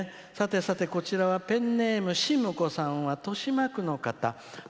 さてさて、ペンネームしむこさんは豊島区の方。